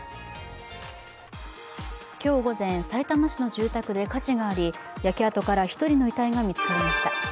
今日午前、さいたま市の住宅で火事があり焼け跡から１人の遺体が見つかりました。